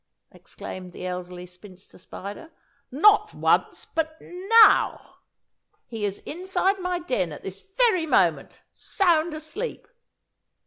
exclaimed the Elderly Spinster Spider, "not once, but NOW! He is inside my den at this very moment, sound asleep."